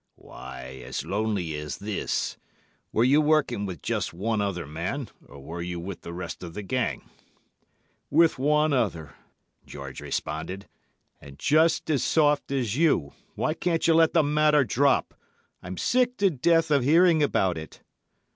"'Why, as lonely as this? Were you working with just one other man, or were you with the rest of the gang?' "'With one other,' George responded, 'and just as soft as you. Why can't you let the matter drop? I'm sick to death of hearing about it.